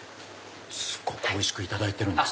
すごくおいしくいただいてます。